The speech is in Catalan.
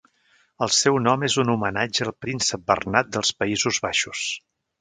El seu nom és un homenatge al príncep Bernat dels Països Baixos.